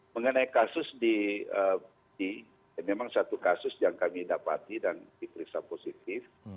mengenai kasus di memang satu kasus yang kami dapati dan diperiksa positif